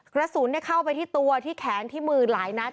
กระสุนเข้าไปที่ตัวที่แขนที่มือหลายนัด